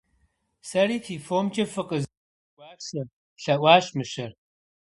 - Сэри фи фомкӀэ фыкъыздэгуашэ! – лъэӀуащ мыщэр.